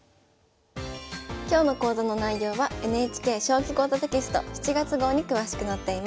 今日の講座の内容はＮＨＫ「将棋講座」テキスト７月号に詳しく載っています。